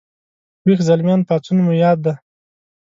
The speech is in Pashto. ويښ زلميان پاڅون مو یاد دی